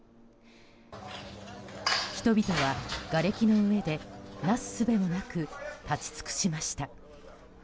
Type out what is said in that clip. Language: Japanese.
人々はがれきの上でなすすべもなく立ち尽くしました。